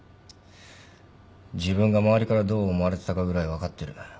自分が周りからどう思われてたかぐらい分かってる。